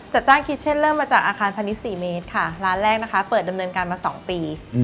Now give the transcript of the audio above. จ้างคิชเช่นเริ่มมาจากอาคารพาณิชย์๔เมตรค่ะร้านแรกนะคะเปิดดำเนินการมา๒ปี